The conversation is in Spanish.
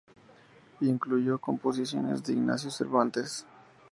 Incluyó composiciones de Ignacio Cervantes.